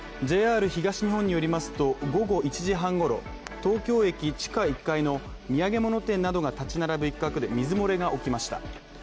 ＪＲ東日本によりますと午後１時半ごろ東京駅地下１階の土産物店などが立ち並ぶ一角で、水漏れが起きました。